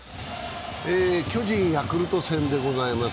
巨人×ヤクルト戦でございます。